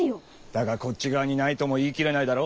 だが「こっち側」にないとも言い切れないだろッ。